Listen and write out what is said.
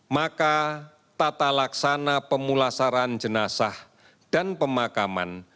maka tata laksana pemulasaran jenazah dan pemakaman